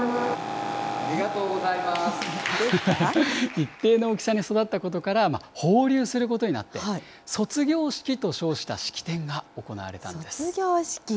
一定の大きさに育ったことから、放流することになって、卒業式と称した式典が行われたんです。